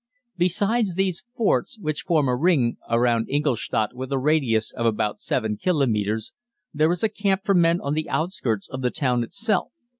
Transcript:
Besides these forts, which form a ring around Ingolstadt with a radius of about 7 kilometres, there is a camp for men on the outskirts of the town itself.